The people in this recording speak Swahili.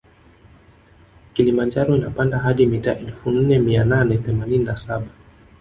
Kilimanjaro inapanda hadi mita elfu nne mia nane themanini na saba